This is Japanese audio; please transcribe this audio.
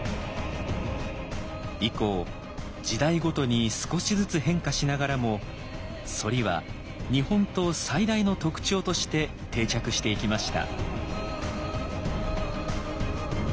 以降時代ごとに少しずつ変化しながらも「反り」は日本刀最大の特徴として定着していきました。